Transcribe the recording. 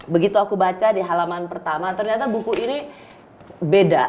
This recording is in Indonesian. begitu aku baca di halaman pertama ternyata buku ini beda